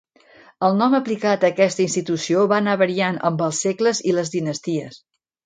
El nom aplicat a aquesta institució va anar variant amb els segles i les dinasties.